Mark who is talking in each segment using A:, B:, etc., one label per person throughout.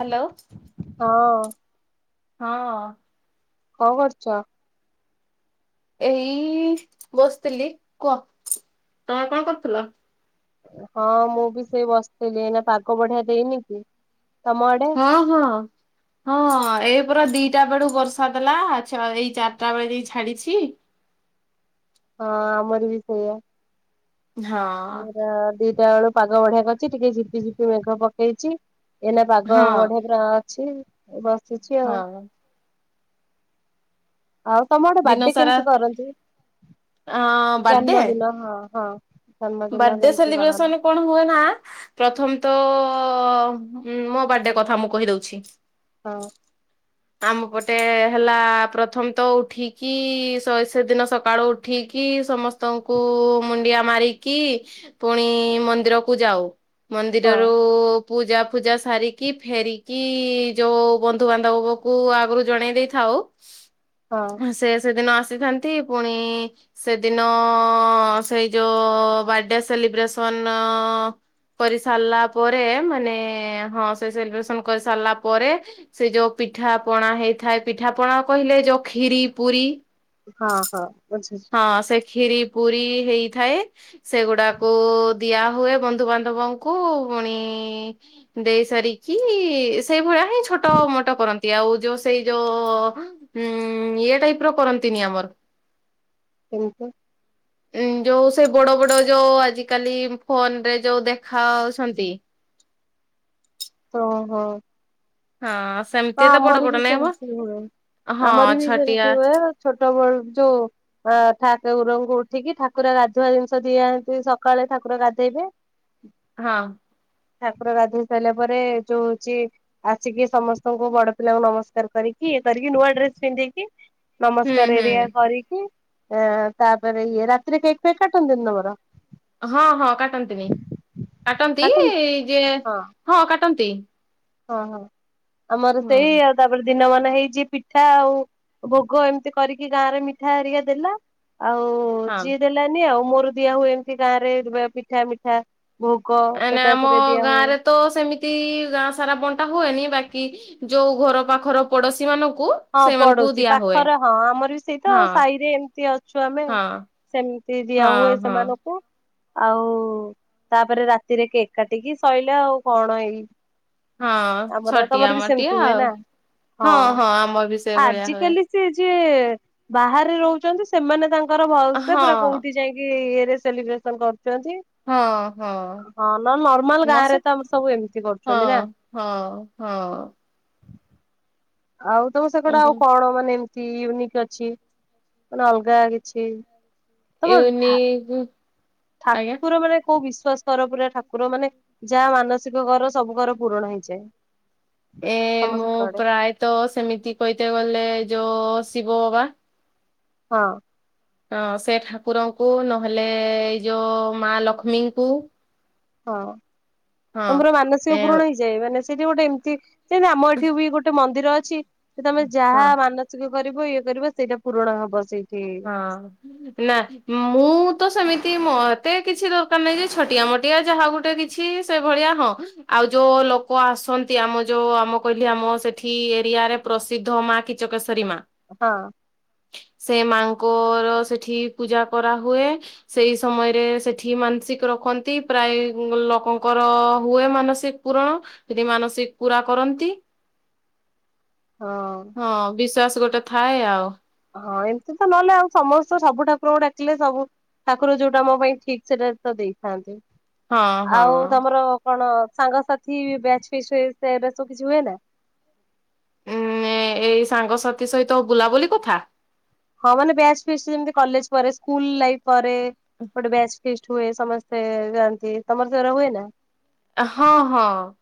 A: Hello
B: ହଁ
A: ହଁ
B: କଣ କରଛ
A: ଏଇ ବସିଥିଲି କୁହ ତମେ କଣ କରୁଥିଲ
B: ହଁ ମୁଁ ବି ସେଇ ବସିଥିଲି ଏଇନା ପାଗ ବଢିଆ ଦେଇନି କି ତମ ଆଡେ
A: ହଁ ହଁ ହଁ ଏ ପ ଦିଟା ବେଳୁ ବର୍ଷା ଦେଲାଛ ଏଇ ଚାରିଟା ବେଳେ ଯାଇ ଛାଡିଛି
B: ହଁ ଆମର ବି ସେଇଆା
A: ହଁ
B: ସୋ ବେଳୁ ପାଗ ବଢିଆ କରି ଅଛି ଟିକେ ଝିପି ଝିପି ମେଘ ପକେଇଛି ଏନା ପାଗ
A: ହଁ
B: ବଢିଆ ବସିଛି ଆଉ
A: ହଁ
B: ଆଉ ତମ ଗୋଟେ
A: ଦିନ
B: ବାର୍ଥଡେ
A: ସାରା
B: କେମିତି କରନ୍ତି
A: ଅ ବାର୍ଥଡେ
B: ଜନ୍ମଦିନ ହଁ ହଁ ଜନ୍ମଦିନ
A: ବାର୍ଥଡେ
B: କେମିତି ପାଳନ
A: ସେଲିବ୍ରେସନ କଣ ହୁଏ ନା ପ୍ରଥମ ତ ତ ମୋ ବାରଟ କଥା ମୁଁ କହିଦଉଛି
B: ହଁ
A: ଆମ ପଟେ ହେଲା ପ୍ରଥମ ତ ଉଠିକି ସେଦିନ ସକାଳୁ ଉଠି ସମସ୍ତଙ୍କୁ ମୁଣ୍ଡିଆ ମାରି କି ପୁଣି ମନ୍ଦିରକୁ ଯାଉ
B: ହଁ
A: ମନ୍ଦିରରୁ ପୂଜା ଫୂଜା ସାରିକି ଫେରିକି ଯୋଉ ବନ୍ଧୁବାନ୍ଧବକୁ ଆଗରୁ ଜଣେଇ ଦେଇଥାଉ
B: ହଁ
A: ସେ ସେଦିନ ଆସିଥାନ୍ତି ପୁଣି ସେଦିନ ସେଇ ଯୋଉ ବାର୍ଥଡେ ସେଲିବ୍ରେସନ୍ କରି ସାରିଲା ପରେ ମାନେ ହଁ ସେ ସେଲିବ୍ରେସନ କରିସାରିଲା ପରେ ସେ ଯୋଉ ପିଠା ପଣା ହେଇଥାଏ ପିଠା ପଣା କହିଲେ ଯୋଉ ଖ୍ଷୀରୀ ପୁରୀ
B: ହଁ ହଁ ଅଛ
A: ଖ୍ଷୀରି ପୁରୀ ହେଇଥାଏ ସେଗୁଡାକୁ ଦିଆ ହୁଏ ବନ୍ଧୁବାନ୍ଧବଙ୍କୁ ପୁଣି ଦେଇ ସେ ିକି ସେଇ ଭଳିଆ ହିଁ ଛୋଟ ମଟ କରନ୍ତି ଆଉ ଯୋଉ ସେଇ ଯୋଉ ହୁଁ ଏ ଟାଇପ ର କରନ୍ତିନି ଆମର
B: କିନ୍ତୁ
A: ଉ ଯୋଉ ସେ ବଡ ବଡ ଯୋଉ ଆଜିିକାଲି ଫୋନ ରେ ଯୋଉ ଦେଖାଉଛନ୍ତି।
B: ହ ହଁ।
A: ହଁ।
B: ହଁ
A: ସେମିତି ତ ବଡ
B: ଆମର
A: ବଡ
B: ବି
A: ନାଇଁ ମ।
B: ସେମିତି ହୁଏ
A: ହଁ
B: ଆମର ବି
A: ଛଟିଆ
B: ସେମିତି ହୁଏ ଛୋଟ ଟ ବେଳୁ ଯୋଉ ଠା ଗରଙ୍କୁ ଉଠିକି ଠାକୁରା ଗାଧୁଆ ଜିନିଷ ଦିଆନ୍ତି ସକାଳେ ଠାକୁ କୁକୁର ଗାଧେଇବେ।
A: ହଁ।
B: ଠାକୁର ଗାଧେଇ ସାଇଲା ପରେ ଯୋଉ ହଉଛି ଆସିକି ସମସ୍ ଙ୍କୁ ବଡ ପିଲାଙ୍କୁ ନମସ୍କାର କରିକି ଇଏ କରିକି ନୂଆ ଡ୍ରେସ ପିନ୍ଧିକି
A: ହୁଁ
B: ନମସ୍କାର
A: ହୁଁ।
B: ଏରିଆ କରିକି ଆ ତାପରେ ଇଏ ରାତିରେ କେକ୍ ଫେକ୍ କାଟନ୍ତିନି ତମର?
A: ହଁହଁ କାଟନ୍ତିନି କାଟନ୍ତି ଯେ ହଁ କା ଟନ୍ତି।
B: ହଁ, ହଁ ଆମର ସେଇ ଆଉ ତାପରେ ଦିନ ମାନ ହେଇଛି ପିଠା ଆଉ ଭୋଗ ଏମ୍ତି କରିକି ଗାଁ ରେ ମିଠା ହେରିକା ଦେଲା। ଆଉ
A: ହଁ।
B: ଯିଏ ଦେଲାନି ଆଉ ମୋର ଦିଆ ହୁଏ ଏମ୍ତି ଗାଁରେ ପିଠା ମିଠା। ଭୋଗ
A: ଆନା ଆମ
B: ଏକାଥରେ ଦିଆ
A: ଗାଁ
B: ହୁଏ
A: ରେ ତୋ ସେମିତି ଗାଁ ସାରା ବଣ୍ ହୁଏନି ବାକି ଯୋଉ ଘର ପାଖର ପଡୋଶୀ ମାନଙ୍କୁ
B: ହଁ
A: ସେଇମାନଙ୍କୁ
B: ପଡୋଶୀ
A: ଦିଆ ହୁଏ
B: ପାଖରେ ହଁ ଆମର ବି ସେଇ ତ
A: ହଁ
B: ସାଇରେ ଏମତି ଅଛୁ ଆମେ।
A: ହଁ।
B: ସେମ୍ତି
A: ହଁ
B: ଦିଆ ହୁଏ
A: ହଁ
B: ସେମାନଙ୍କୁ। ଆଉ ତାପରେ ରାତିରେ କେକ୍ କାଟିକି ଶଇଲା ଆଉ କଣ ଏଇ
A: ହଁ
B: ଆମର
A: ଛଟିଆ
B: ତମର ବି
A: ମଟିଆ
B: ସେମିତି ହୁଏ
A: ଆଉ
B: ନା? ହଁ
A: ଆମର ବି ସେଇଭଳିଆ ହୁଏ।
B: ଆଜିିକାଲି ସେ ଯେ ବାହାରେ ରହୁଛନ୍ତି ସେମାନେ ତାଙ୍କର ଭଲ୍ ସେ ପୁରା
A: ହଁ
B: କୋଉଠି ଯାଇକି ଇଏରେ ସେଲିବ୍ରେସନ କରୁ ଚନ୍ତି ହଁ ନ ନର୍ମାଲ
A: ଆମ ସ
B: ଗାଁରେ ତ ଆମର ସବୁ ଏମିତି
A: ହଁ
B: କରୁଛନ୍ତି ନା।
A: ହଁ, ହଁ।
B: ଆଉ ତମ ସେକଡେ ଆଉ କଣ ମାନେ ଏମ ୟୁନିକ୍ ଅଛି ମାନେ ଅଲଗା କିଛି। ତମ ଠା
A: ୟୁନିକ୍ ଆଜ୍ଞା।
B: ଠାକୁର ମାନେ କୋଉ ବିଶ୍ଵାସ୍ କର ପୁରା ଠାକୁର ମାନେ ଯା ମାନସିକ କର ସବୁ କର ପୂରଣ ହେଇଯାଏ?
A: ଏ
B: ତମ
A: ମୁଁ
B: ସେକଡେ
A: ପ୍ରାୟତ ସେମିତି କହିତେ ଗଲେ ଯୋ ଓ ଶିବୋ ବା।
B: ହଁ।
A: ହଁ ସେ ଠାକୁରଙ୍କୁ ନହେଲେ ଏଇ ଯୋ ମା ଲକ୍ଷ୍ମୀଙ୍କୁ।
B: ହଁ
A: ହଁ
B: ତମର ମାନସିକ
A: ଏ
B: ପୂୁରଣ ହେଇଯାଏ ମାନେ ସେଟି ଗୋଟେ ଏମତି ନା ଆମ ଏଠି ବି ଗୋଟେ ମନ୍ଦିର ଅଛି ତମେ
A: ହଁ
B: ଯାହା ମାନସିକ କରିବ ଇଏ କରିବ ସେଇଟା ପୂରଣ ହବ ସେଇ।
A: ହଁ ନା ମୁଁ ତ ସେମି ତି ମତେ କିଛି ଦରକାର ନାହିଁ ଯେ ଛଟିଆ ମଟିଆ ଯାହା ଗୋଟେ କିଛି ସେଇ ଭଳିଆ ହଁ ଆଉ ଯୋଉ ଲୋକ ଆସନ୍ତି ଆମ ଯୋଉ ଆମ କହିଲେ ଆମ ସେଠି ଏରିଆରେ ପ୍ରସିଦ୍ଧ ମା କିଚକେଶରୀ ମା।
B: ହଁ।
A: ସେ ମାଙ୍କ ଙ୍କର ସେଠି ପୂଜା କରା ହୁଏ ସେଇ ସମୟରେ ସେଠି ମାନସିକ୍ ରଖନ୍ତି ପ ପ୍ରାୟ ଲକଙ୍କର ହୁଏ ମାନସିକ୍ ପୁରଣ ଯଦି ମାନସିକ୍ ପୁରା କରନ୍ତି। ହଁ ବିଶ୍ଵାସ୍ ଗୋଟେ ଥାଏ ଆଉ।
B: ହଁ ଏମତି ତ ନହେଲେ ଆଉ ସମସ୍ତେ ସବୁ ଠାକୁରଙ୍କୁ ଡାକିଲେ ସବୁ ଠାକୁର ଯୋଉଟା ମୋ ପାଇଁ ଠିକ୍ ସେଟା ତ ଦେଇଥାନ୍ତି।
A: ହଁ ହଁ
B: ଆଉ ତମର କଣ ସାଙ୍ଗସାଥି ବ୍ୟାଚ୍ ଫିସ୍ଟି ସେରା ସବୁ କିଛି ହୁଏ ନା?
A: ଉଁ ଏଇ ସାଙ୍ଗସାଥି ସହିତ ବୁଲାବୁଲି କଥା?
B: ହଁ ମାନେ ବ୍ୟାଚ୍ ଫିଷ୍ଟ୍ ଯେମତି କଲେଜ୍ ପରେ ସ୍କୁଲ ଲାଇଫ୍ ପରେ ଗୋଟେ ବ୍ୟାଚ୍ ଫିଷ୍ଟ୍ ହୁଏ ସମସ୍ତେ ଯାଆନ୍ତି ତମର ସେରା ହୁଏ ନା?
A: ହଁ-ହଁ।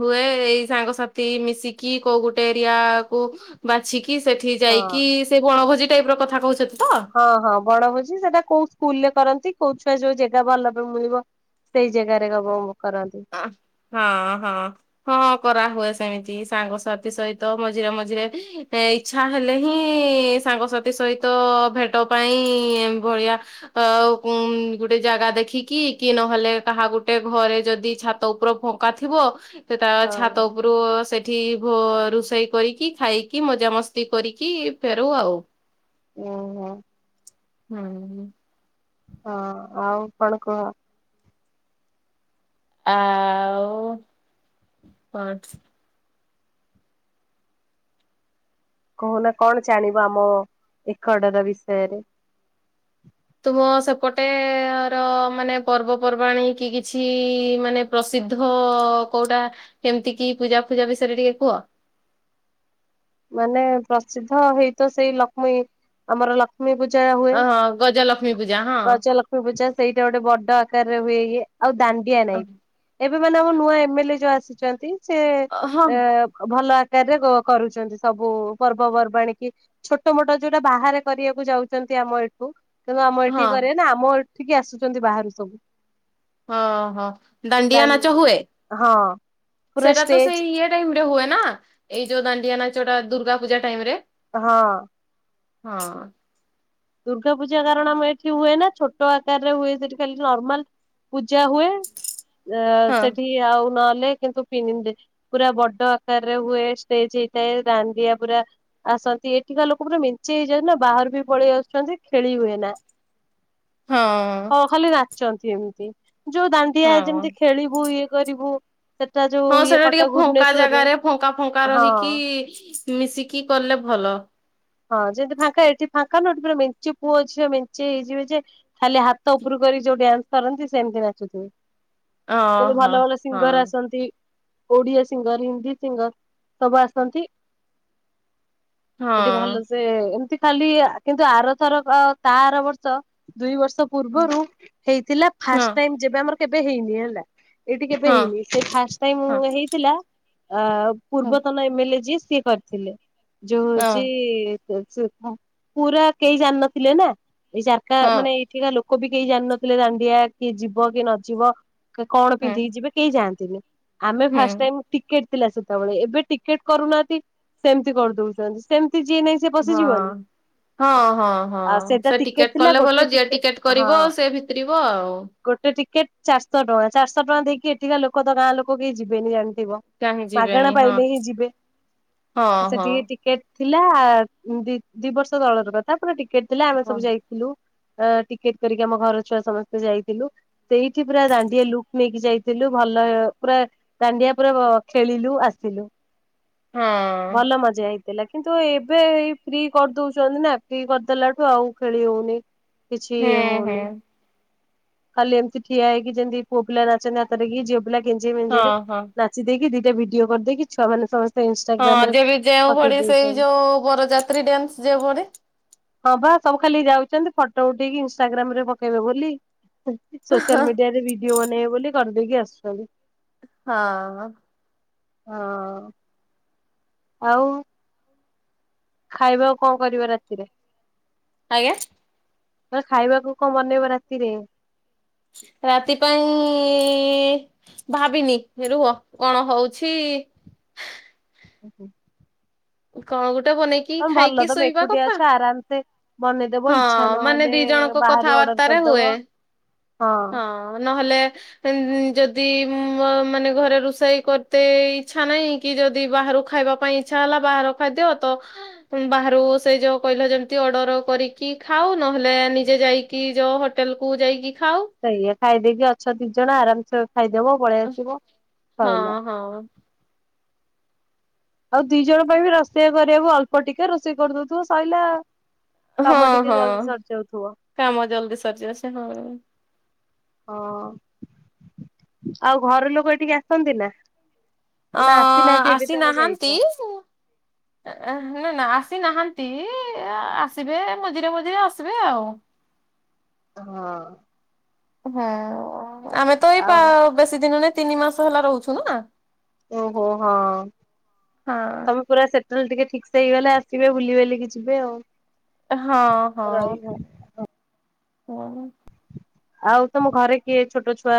A: ହୁଏ ଏଇ ସାଙ୍ଗସାଥି ମିଶିକି କୋଉ ଗୁଟେ ଏରିଆ କୁ ବାଛିକି କି ସେଠି
B: ହଁ।
A: ଯାଇକି ସେଇ ବଣଭୋଜି ଟାଇପ୍ ର କଥା କହୁଛ
B: ହଁ-ହଁ ବଣ ଭୋଜି ସେଟା କୋଉ ସ୍କୁଲ୍ ରେ କରନ୍ତି କୋଉ ଛୁଆ ଯୋଉ ଜାଗା ଭଲ ବି ମିଳିବ ସେଇ ଜାଗାରେ ଏକା
A: ହଁ ହଁ ହଁ କରାହୁଏ। ସେମିତି ସାଙ୍ଗସାଥି ସହିତ ମଝିରେ ମଝିରେ ଇଚ୍ଛା ହେଲେ, ହିଁ ସାଙ୍ଗସାଥି ସହିତ ଭେଟ ପାଇଁ ଭଳିଆ ଅ ଗୋଟେ ଜାଗା ଦେଖିକି କି ନହେଲେ କାହା ଗୋଟେ ଘରେ ଯଦି ଛାତ ଉପରେ ଫଙ୍କା ଥିବ, ସେ ତା ଛାତ
B: ହଁ।
A: ଉପରୁ ସେ ଏଠି ରୋଷେଇ କରିକି ଖାଇକି, ମଜାାମସ୍ତି କରିକି ଫେରୁ ଆଉ
B: ଓ ହୋ।
A: ହୁଁ।
B: ହଁ ଆଉ କଣ କୁହ।
A: ଆଉ ପାଞ୍ଚ।
B: କହୁନା କଣ ଜାଣିବ ଆମ ଏକଡର ବିଷୟରେ
A: ତୁମ ସେପଟେ ର ମାନେ ପର୍ବପର୍ବାଣୀ କି କିଛି ମାନେ ପ୍ରସିଦ୍ଧ ପ୍ରସିଦ୍ଧ କୋଉଟା କେମତି କି ପୂଜା ଫୂଜା ବିଷୟରେ ଟିକେ କୁହ
B: ମାନେ ପ୍ରସିଦ୍ଧ ହେଇତ ସେଇ ଲକ୍ଷ୍ମୀ ଆମର ଲକ୍ଷ୍ମୀ ଲକ୍ଷ୍ମୀ ପୂଜା ହୁଏ
A: ଅହଁ ଗଜଲକ୍ଷ୍ମୀ ପୂଜା ହଁ।
B: ଗଜ ଲକ୍ଷ୍ମୀ ପୂଜା ସେଇଟା ଗୋଟେ ବଡ ଆକାରରେ ହୁଏଇଏ ଆଉ ଦାଣ୍ଡିଆ ନାଇଟ ଏବେ ମାନେ ଆମ ନୂଆ ଏମ ଏ ଲେ ଯୋଉ ଆସିଛନ୍ତି, ସେ
A: ହଁ।
B: ଭଲ ରେ କରୁଛନ୍ତି। ସବୁ ପର୍ବପର୍ବାଣୀ କି ଛୋଟ ମୋଟ ଯୋଉଟା ବାହାରେ କରିବାକୁ ଯାଉଛନ୍ତି, ଆମ ଏଠୁ କିନ୍ତୁ ଆମ
A: ହଁ
B: ଏଠିକି କରିବା ନା ଆମ ଏଠିକି ଆସୁଛନ୍ତି, ବାହାରୁ ସବୁ।
A: ହଁ ହଁ ଦାଣ୍ଡିଆ ନାଚ
B: ଦାଣ୍ଡ
A: ହୁଏ,
B: ହଁ ପୁରା
A: ସେଇଟା ତ
B: ଷ୍ଟେଜ
A: ସେଇ ଇଏଟା ହୁଏ ନା ଏଇ ଯୋଉ ଦାଣ୍ଡିଆ ନାଚଟା ଦୁର୍ଗା ପୂଜା ଟାଇମ ରେ
B: ହଁ।
A: ହଁ।
B: ଦୁର୍ଗା ପୂଜା କାରଣ ଆମ ଏଠି ହୁଏ ନା ଛୋଟ ଆକାରରେ ହୁଏ ସେଠି ଖାଲି ନର୍ମାଲ ପୂଜା ହୁଏ
A: ହଁ
B: ସେଠି ଆଉ ନହଲେ କିନ୍ତୁ [unintelligible] ପିନ୍ଧେ ପୁରା ବଡ ଆକାରରେ ହୁଏ ଷ୍ଟେଜ ହେଇଥାଏ ଦାଣ୍ଡିଆ ପୁରା ଆସନ୍ତି ଏଠିକା ଲୋକମାନୋନ ମିଞ୍ଚେ ହେଇଯାନ୍ତି ନା ବାହାର ବି ପଳେଇ ଆସୁଛନ୍ତି ଖେଳି ହୁଏ ନା
A: ହଁ।
B: ଚନ୍ତି ଏମିତି ଯୋଉ ଦାଣ୍ଡିଆ
A: ହଁ।
B: ଯେମତି ଖେଳିବୁ ଇଏ କରିବୁ ସେ
A: ହଁ ସେଟା ଟିକେ ଫଙ୍କା ଜାଗାରେ ଫଙ୍କା ଫଙ୍କା
B: ହଁ
A: ରହିକି ମିଶିକି କଲେ ଭଲ
B: ହଁ ଯେମିତି ଫାଙ୍କା ଏଠି ଫାଙ୍କା ନ ଏଠି ପୁରା ମେଞ୍ଚି ପୁଅ ଝିଅ ମେଞ୍ଚି ହେଇଯିବେ ଯେ ଖାଲି ହାତ ଉପରୁ କରି ଯୋଉ ଡ୍ୟାନ୍ସ କରନ୍ତି ସେମିତି ନାଚୁଥିବେ
A: ଓହୋ
B: କେ
A: ହଁ
B: ଭଲ ଭଲ ସିଙ୍ଗର
A: ହଁ।
B: ଆସନ୍ତି। ଓଡିଆ ସିଙ୍ଗର ହିନ୍ଦୀ ସିଙ୍ଗର ସବୁ ଆସନ୍ତି। ଏଠି
A: ହଁ
B: ଭଲ ସେ ଏମିତି ଖାଲି କିନ୍ତୁ ଆରଥର ତା ଆର ବର୍ଷ ଦୁଇ ବର୍ଷ ପୂର୍ବରୁ ହେଇଥିଲା
A: ହଁ
B: ଫାଷ୍ଟ ଟାଇମ୍ ଯେବେ ଆମର କେବେ ହେଇନି ହେଲା ଏଇଠି କେବେ
A: ହଁ
B: ହେଇନି, ସେ ଫାଷ୍ଟ ଟାଇ
A: ହଁ
B: ହେଇଥିଲା
A: ହଁ
B: ପୂର୍ବତନ ଏମ ଏ ଲେ ଯିଏ ସେ କରିଥିଲେ ଯୋଉ
A: ହଁ
B: ହଉଛି ପୁରା କେହି ଜାଣିନଥିଲେ ନା ଏଇ ଜାରକା ମାନେ
A: ହୁଁ
B: ଏଇଠିକା ଲୋକ ଲୋକ ବି କେହି ଜାଣିନଥିଲେ ଦାଣ୍ଡିଆ କିଏ ଯିବ କିଏ ନଯିବ କଣ ପିନ୍ଧିକି ଯିବେ କେହି ଯାଆନ୍ତିନି। ଆମେ
A: ହୁଁ
B: ଫାଷ୍ଟ ଟାଇମ୍ ଟିକେଟ ଥିଲା, ସେତେବେଳେ ଏବେ ଟିକେଟ କରୁନାହାନ୍ତି ସେମିତି କରିଦଉଛନ୍ତି। ତ ଯିଏ ନାଇଁ ସିଏ
A: ହଁ
B: ପଶି ଯିବନି।
A: ହଁ ହଁ ହଁ ସେ ଟିକେଟ
B: ଥିଲା
A: କଲେ
B: ଗୋଟେ
A: ଭଲ ଯିଏ ଟିକେଟ
B: ହଁ
A: କରିବ ସିଏ ଭିତିରିବ ଆଉ।
B: ଗୋଟେ ଟିକେଟ ଚାରିଶହ ଟଙ୍କା ଚାରିଶହ ଟଙ୍କା ଦେଇକି ଏଠିକା ଲୋକ ତ ଗାଁ ଲୋକ କେହି ଯିବେନି।
A: କାହିଁ
B: ମାଗଣା
A: ଯିବେନି ହଁ
B: ପାଇଲେ ହିଁ ଯିବେ
A: ହଁ
B: ଆ
A: ହଁ
B: ସେଠିକି ଟିକେଟ୍ ଥିଲା ଦି ଦି ବର୍ଷ ତଳର କଥା ପୁରା ଟିକେଟ ଥିଲା ଆମେ
A: ହଁ
B: ସବୁ ଯାଇଥିଲୁ। ଟିକେଟ କରିକି ଆମ ଘର ଛୁଆ ସମସ୍ତେ ଯାଇଥିଲୁ ସେଇଠି ପୁରା ଦାଣ୍ଡିଆ ଲୁକ୍ ନେଇକି ଯାଇଥିଲୁ। ଭଲ ପୁରା ଦାଣ୍ଡିଆ ପୁରା ଖେଳିଲୁ ଆସିଲୁ।
A: ହଁ
B: ଥିଲା କିନ୍ତୁ ଏବେ ଏଇ ଫ୍ରି କରିଦଉଛନ୍ତି ନା ଫ୍ରି କରିଦେଲାଠୁ ଆଉ ଖେଳି ହଉନି। କିଛି
A: ହୁଁ ହୁଁ
B: ହଉନି। ଖାଲି ଏମିତି ଠିଆ ହେଇକି ଯେମିତି ପୁଅ ପିଲା ନାଚନ୍ତି ହାତରେ କି ଝିଅ ପିଲା କେେଞଜିେଇ ମେଞ୍ଜି
A: ହଁ
B: ରେ
A: ହଁ
B: ନାଚି ଦେଇକିି। ଭିଡିଓ କରିଦେଇକି ଛଆ ମାନ ସମସ୍ତେ।
A: ହଁ
B: ଇନଷ୍ଟାଗ୍ରାମ ରେ
A: ଯେ ଯେଉଁ
B: ପକେଇ
A: ପଡେ ସେଇ
B: ଦଉଛନ୍ତି।
A: ଯୋଉ ବରଯାତ୍ରୀ ଡ୍ୟାନ୍ସ ଯଉ ପଡ଼େ।
B: ହଁ ବା ସବୁ ଖାଲି ଯାଉଛନ୍ତି ଫଟୋ ଉଠେଇକି ଇନସଟାଗ୍ରାମ ରେ ପକେଇବେ ବୋଲି। ସୋସିଆଲ
A: ହଁ
B: ମିଡିଆରେ ଭିଡିଓ ବନେଇବେ ବୋଲି କରିଦେଇକି ଆସୁଛନ୍ତି।
A: ହଁ।
B: ହଁ ଆଉ। ଖାଇବା ଆଉ କଣ କରିବା ରାତିରେ?
A: ଆଜ୍ଞା।
B: କଇଲି ଖାଇବାକୁ କଣ ମନେଇବ ରାତିରେ।
A: ରାତି ପାଇଁ ଭାବିନି ରୁହ କଣ ହଉଛି।
B: ଆଜଞ।
A: କଣ ଗୋଟେ ବନେଇକି ଖାଇକି ଶୋଇବା
B: ଏକୁଟିଆ ଅଛ
A: କଥା।
B: ଆରାମସେ ବନେଇଦବ
A: ହଁ
B: ଇଚ୍ଛା
A: ମାନେ
B: ନହେଲେ
A: ଦି ଜଣଙ୍କ
B: ବାହାରୁ ଅର୍ଡର
A: କଥାବାର୍ତ୍ତାରେ
B: କରିଦବ
A: ହୁଏ। ହଁ ନହେଲେ ଯଦି ମ-ମାନେ ଘରେ ରୋଷେଇ କରତେ ଇଚଛା ନାହିଁ କି ଯଦି ବାହ ଖାଇବା ପାଇଁ ଇଛା ହେଲା ବାହାର ଖାଦ ତ ବାହ ସେ ଯୋଉ କହିଲ ଯୋଉ ଅର୍ଡର କରିକି କି ଖାଉ ନହେଲେ ନିଜେ ଯାଇକି ଯୋଉ ହୋଟେଲକୁୁ ଯାଇକି ଖାଉ।
B: ସେଇଆ ଖାଇଦେଇକି ଅଛ ଦି ଜଣ ଆରାମସେ ଖାଇଦବ ପଳେଇ ଆସିବ
A: ହଁ
B: ସଇଲା।
A: ହଁ
B: ଆଉ ଦି ଜଣ ପାଇଁ ବି ରୋଷେଇ କରିବାକୁ ଅଳ୍ପ ଟିକେ ରୋଷେଇ କରିଦଉଥିବ ସଇଲା ଆଉ।
A: ହଁ ହଁ କାମ ଜଲଦି ସରି ଆସ ହଁ ହଁ।
B: ହଁ ଆଉ ଘର ଲୋକ ଏଠିକି ଆସନ୍ତି ନା। ନା
A: ଅଁ
B: ଆସିନାହାନ୍ତି ଏବେ ତମେ ଯାଇଛ
A: ଆସିନାହାନ୍ତି ନା। ସେ ନାହାନ୍ତି ଆସିବେ ମଝିରେ ମଝିରେ ଆସିବେ ଆଉ।
B: ହଁ
A: ହଁ ଆମେ ତ ଏଇ
B: ଆଉ
A: ବେଶୀ ଦିନ ନହି ତିନି ମାସ ହେଲା ରହୁଛୁ ନା।
B: ଓହୋ ହଁ
A: ହଁ।
B: ତମେ ପୁରା ସେ ତାେ ଟିକେ ଠିକସ ସେ ହେଇଗଲେ ଆସିବେ ବୁଲି ବଲି ଯିବେ ଆଉ।
A: ହଁ ହଁ।
B: ରହିବ
A: ହଁ।
B: ଆଉ ତମ ଘରେ କିଏ ଛୋଟ ଛୁଆ।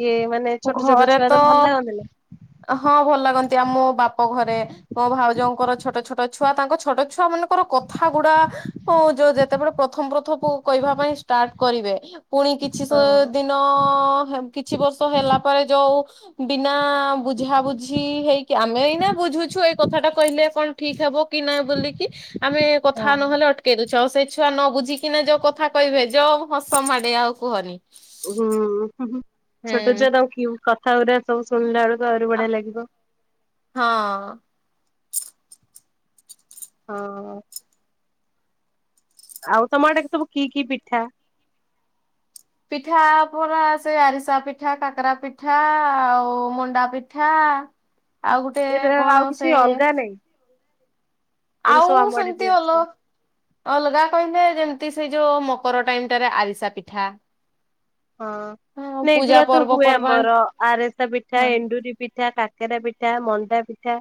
B: ଇଏ ମାନେ
A: ହଁ
B: ଛୋଟ ଛୋଟ
A: ଘରେ
B: ଛୁଆ ତ ଭଲ ଲାଗନ୍ତି ନା।
A: ହଁ ଭଲ ଲାଗନ୍ତି ଆ ମୋ ବାପ ଘରେ ମୋ ଭାଉଜୋଉଙ୍କର ଛୋଟ ଛୋଟ ଛୁଆ ତାଙ୍କ ଛୋଟ ଛୁଆ ମାନଙ୍କୁ। ର କଥା ଗୁଡ଼ା ଉଁ ଯୋଉ ଯେତେବେଳେ ପ୍ରଥମ ପ୍ରଥମ କହିବା ପାଇଁ ଷ୍ଟାର୍ଟ କରିବେ। ପୁଣି କିଛି
B: ହଁ।
A: ଦିନ କିଛି ବର୍ଷ ହେଲା ପରେ ଯୋଉ ବିନା। ବୁଝାବୁଝି ହେଇକି ଆମେ ବୁଝୁଛୁ ଏଇ କଥା ଟା କହିଲେ କଣ ଠିକ ହବ କି ନହିଁ ବୋିକି ଆମେ କଥା
B: ହଁ।
A: ନହେଲେ ଅଟକେଇ ଦଉଛୁ। ସେ ଛୁଆ ନ ବୁଝିକିନା ଯୋଉ କଥା କହିବେ ଯୋଉ ହସ ମାଡ଼େ ଆଉ କୁହନି।
B: ହୁଁ ଛୋଟ
A: ହୁଁ
B: ଛୁଆ ତା କି କଥା ଗୁଡା ସବୁ ଶୁଣିଲା ବେଳକୁ। ଆରୁ ବଡ ଲାଗିବ।
A: ହଁ
B: ହଁ। ଆଉ ତମ ଆଡାକୁ ତବୁ କି କି ପିଠା।
A: ପିଠା ପରା ସେ ଆରିସା ପିଠା କାକରା ପିଠା ଆଉ ମଣ୍ଡା ପିଠା। ଆଉ ଗୋଟେ
B: ଏରା ଆଉ
A: କଣ
B: କିଛି
A: ସେ।
B: ଅଲଗା ନାଇଁ ଏରା
A: ଆଉ
B: ସବୁ ଆମ ଆଡେ ବି
A: ସେମିତି ଅଲଗ
B: ଅଛି
A: ଅଲଗା କହିଲେ ଯେମତି। ସେ ଯୋଉ ମକର ଟାଇମ ଟାରେ ଆରିସା ପିଠା।
B: ହଁ ଏଗୁଡା
A: ପୂଜା
B: ତ ହୁଏ
A: ପର୍ବପର୍ବାଣି
B: ଆମର ଆରେସା ପିଠା
A: ହଁ
B: ଏଣ୍ଡୁରି ପିଠା କା କେରା ପିଠା ମଣ୍ଡା ପିଠା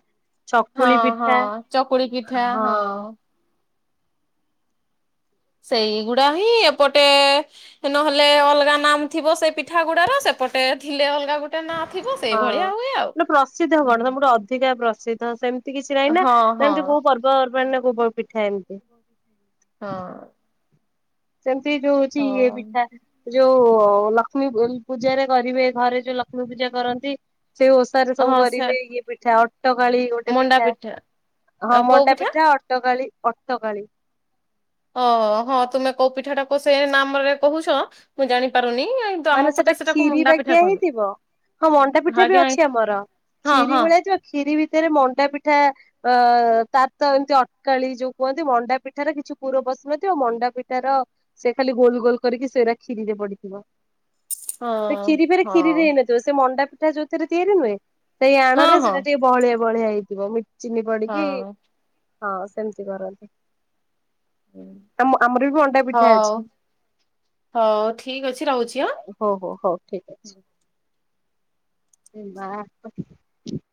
B: ଚକୁଳି
A: ହଁ ହଁ
B: ପିଠା
A: ଚକୁଳି ପିଠା
B: ହଁ।
A: ସେଇଗୁଡା ହିଁ ଏପଟେ ନହେଲେ ଅଲଗା ନାମ ଥିବ ସେ ପିଠା ଗୁଡା ର ସେ। ଏପଟେ ଥିଲେ ଅଲଗା ଗୋଟେ ନା।
B: ହଁ ଗୋଟେ ପ୍ରସିଦ୍ଧ କଣ ତମଟେ ଅଧିକା ପ୍ରସିଦ୍ଧ। ସେ ତ ସେମିତି କିଛି ନାହିଁ ନା
A: ହଁ
B: ନା
A: ହଁ
B: ଏମିତି କୋଉ ପର୍ବପର୍ବାଣି ନା କୋଉ ପିଠା ଏମିତି।
A: ହଁ।
B: ସେମିତି ଯୋଉଛି ଇଏ
A: ହଁ
B: ପିଠା ଯୋଉ। ହ ଲକ୍ଷ୍ମୀ ପୂଜାରେରେ କରିବେ ଘରେ ଯୋଉ ଲକ୍ଷ୍ମୀ ପୂଜା କରନ୍ତି। ସେଇ ଓଷାରେ ସବୁ
A: ହଁ ସେ
B: କରିବେ ଇଏ ପିଠା। ଅଟକାଳି ଗୋଟେ ପିଠା ହଁ
A: ଆଉ କୋଉ
B: ମଣ୍ଡା ପିଠା ଅଟକାଳି। ଅଟକାଳି।
A: ଓ ହଁ ତୁମେ କୋଉ ପିଠା ଟା କ ସେ ନାମ ରେ କହୁଛ ମୁଁ ଜାଣିପାର।
B: ମାନେ ସେଟା ଖିରି ବାକିଆ
A: କହନ୍ତି।
B: ହେଇଥିବ। ହଁ ମଣ୍ଡା ପିଠା ବି
A: ଆଜ୍ଞା
B: ଅଛି ଆମର
A: ହଁ
B: ଖିରି
A: ହଁ
B: ଭଳିଆ ଯିବ ଖିରି ଭିତରେ ମଣ୍ଡା ପିଠା। ଅ ତାର ତ ଏମିତି ଅଟକାଳ ଯୋଉ କୁହନ୍ତି ମଣ୍ଡା ପିଠାର କିଛି ପୁର ବସିୁନାହାନ୍ତି ଆଉ ମଣ୍ଡା ପିଠାର। ସେ ଖାଲି ଗୋଲ ଗୋଲ କରିକି ସେଇଟା କ୍ଷୀରିରେ ପଡିଥିବ। ସେ କ୍ଷୀରି ଫରେ
A: ହଁ
B: କ୍ଷୀରିରେ ହେଇନଥିବ ସେ ମଣ୍ଡା। ଯଉଥିରେ ତିଆରି ନୁହେଁଇ
A: ହଁ
B: ଆଣରେ
A: ହଁ
B: ସେଟା
A: ହଁ
B: ଟିକେ ବଳିଆ ବଳିଆ ହେଇଥିବ ମି। ଚିନି ପଡିକି
A: ହଁ
B: ହଁ ସେମିତି କରନ୍ତିୁ। ଆ ଆମର ବି ଅଟା ପିଠା
A: ହଉ
B: ଅଛି।
A: ହଉ ଠିକ ଅଛି ରହୁଛି ଆଁ।
B: ହଉ ହଉ ହଉ ଠିକ ଅଛି। [unintelligible]